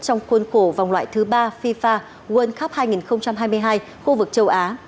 trong khuôn khổ vòng loại thứ ba fifa world cup hai nghìn hai mươi hai khu vực châu á